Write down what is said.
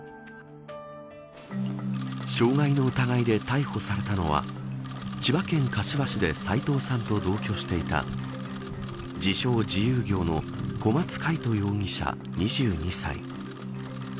傷害の疑いで逮捕されたのは千葉県柏市で斎藤さんと同居していた自称自由業の小松魁人容疑者２２歳。